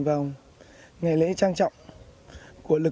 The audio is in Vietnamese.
vào ngày lễ trang trọng của lực lượng